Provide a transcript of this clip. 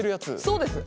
そうです。